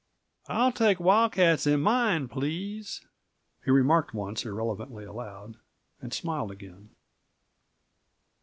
"I'll take wildcats in mine, please," he remarked once irrelevantly aloud, and smiled again.